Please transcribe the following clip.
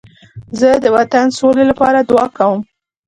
زه د وطن د سولې لپاره دعا کوم.